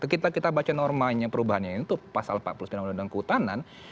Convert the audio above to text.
kita baca normanya perubahannya itu pasal empat puluh sembilan uu ketahanan